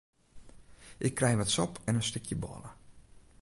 Ik krij wat sop en in stikje bôle.